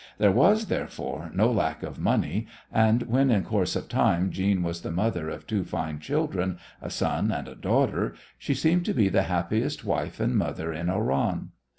There was, therefore, no lack of money, and when in course of time Jeanne was the mother of two fine children, a son and a daughter, she seemed to be the happiest wife and mother in Oran.